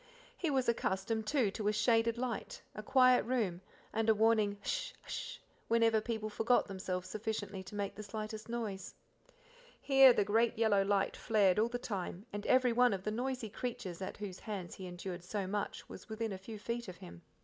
He was accustomed, too, to a shaded light, a quiet room, and a warning H'sh! h'sh! whenever people forgot themselves sufficiently to make the slightest noise. Here the great yellow light flared all the time, and every one of the noisy creatures at whose hands he endured so much was within a few feet of him.